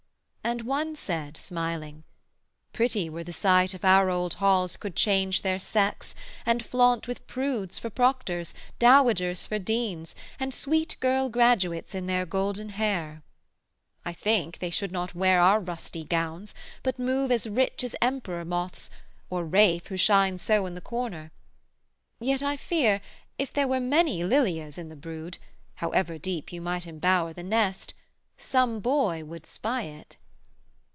And one said smiling 'Pretty were the sight If our old halls could change their sex, and flaunt With prudes for proctors, dowagers for deans, And sweet girl graduates in their golden hair. I think they should not wear our rusty gowns, But move as rich as Emperor moths, or Ralph Who shines so in the corner; yet I fear, If there were many Lilias in the brood, However deep you might embower the nest, Some boy would spy it.'